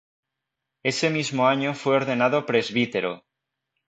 Ese mismo año fue ordenado presbítero.